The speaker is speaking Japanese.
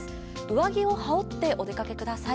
上着を羽織ってお出かけください。